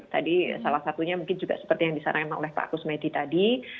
tadi salah satunya mungkin juga seperti yang disarankan oleh pak kusmeti tadi